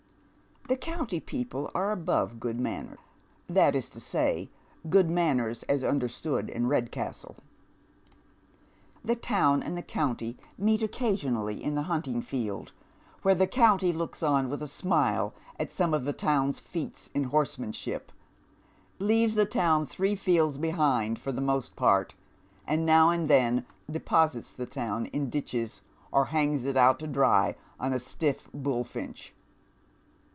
The county people are above good manners — that is to say, good manners as understood in Redcastle. The town and tlie county meet occasionally in the hunting field, where the county looks on with a smile at some of the town's feats in horsemanship, leaves the town three fields behind for the most part, and now and then deposits the town in ditches or hangs it out to dry on a stiff bullfinch.